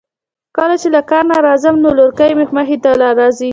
کله چې له کار نه راځم نو لورکۍ مې مخې ته راځی.